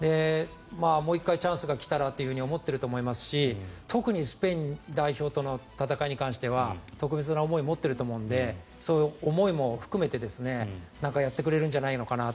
もう一回チャンスが来たらと思っていると思いますし特にスペイン代表との戦いに関しては特別な思いを持っていると思うのでそういう思いも含めてやってくれるんじゃないかな。